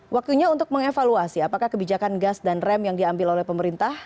waktunya untuk mengevaluasi apakah kebijakan gas dan rem yang diambil oleh pemerintah